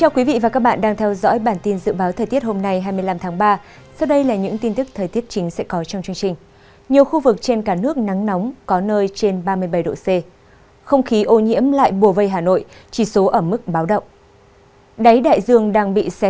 các bạn hãy đăng ký kênh để ủng hộ kênh của chúng mình nhé